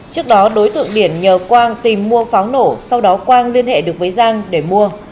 trước đó đối tượng biển nhờ quang tìm mua pháo nổ sau đó quang liên hệ được với giang để mua